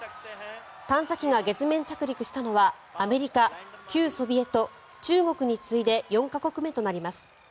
探査機が月面着陸したのはアメリカ、旧ソビエト中国に次いで４か国目となります。